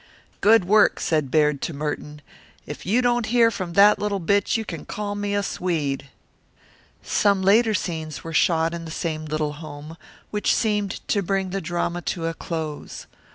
"Good work," said Baird to Merton. "If you don't hear from that little bit you can call me a Swede." Some later scenes were shot in the same little home, which seemed to bring the drama to a close.